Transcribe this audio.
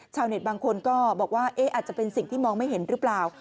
บางคนก็บอกว่าอาจจะเป็นสิ่งที่มองไม่เห็นหรือเปล่า